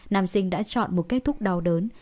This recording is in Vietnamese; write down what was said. nam sinh đã chọn một kết thúc đau đớn